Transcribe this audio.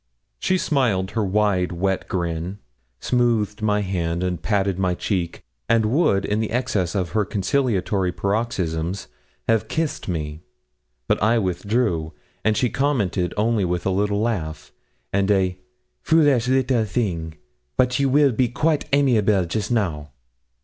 She smiled her wide wet grin, smoothed my hand, and patted my cheek, and would in the excess of her conciliatory paroxysm have kissed me; but I withdrew, and she commented only with a little laugh, and a 'Foolish little thing! but you will be quite amiable just now.'